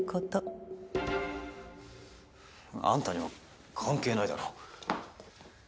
あんたには関係ないだろ。